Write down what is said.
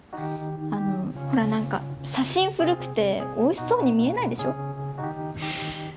あのほら何か写真古くておいしそうに見えないでしょ？